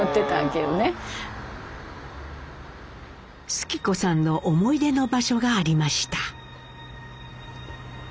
主基子さんの思い出の場所がありました。